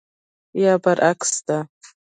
یا برعکس ده.